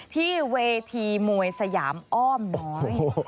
ที่เวทีมวยสยามอ้อมน้อย